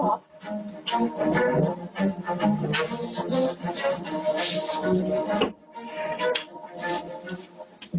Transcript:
เฮ้ย